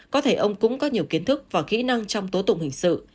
có thể ông cũng có nhiều kiến thức và kỹ năng trong tố tụng hình sự